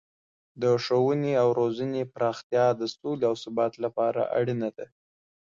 د ښوونې او روزنې پراختیا د سولې او ثبات لپاره اړینه ده.